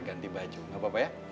ganti baju gak apa apa ya